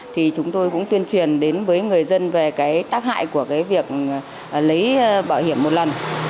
thì chúng tôi cũng tuyên truyền đến với người dân về cái tác hại của cái việc lấy bảo hiểm một lần